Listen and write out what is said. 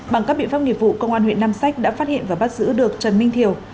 bằng các biện pháp nghiệp vụ công an huyện nam sách đã phát hiện và bắt giữ được trần minh thiều